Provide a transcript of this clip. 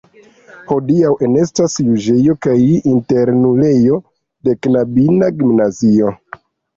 Hodiaŭ enestas juĝejo kaj internulejo de knabina gimnazio.